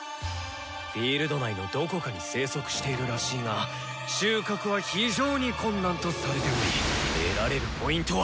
フィールド内のどこかに生息しているらしいが収穫は非常に困難とされており得られるＰはう！